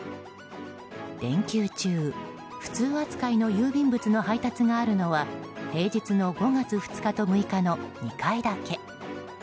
連休中、普通扱いの郵便物の配達があるのは平日の５月２日と６日の２回だけ。